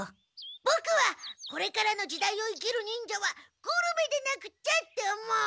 ボクはこれからの時代を生きる忍者はグルメでなくっちゃって思う！